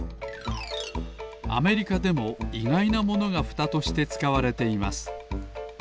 アメリカでもいがいなものがふたとしてつかわれています。